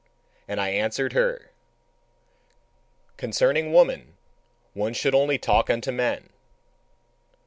And I answered her: "Concerning woman, one should only talk unto men."